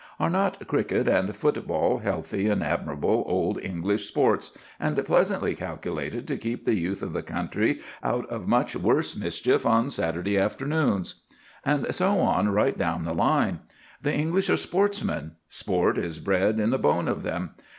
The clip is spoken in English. Are not cricket and football healthy and admirable old English sports, and pleasantly calculated to keep the youth of the country out of much worse mischief on Saturday afternoons? And so on right down the line. The English are sportsmen. Sport is bred in the bone of them.